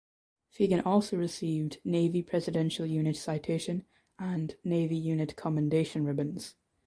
Fegan also received Navy Presidential Unit Citation and Navy Unit Commendation ribbons.